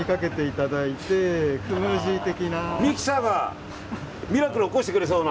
ミキサーがミラクルを起こしてくれそうな。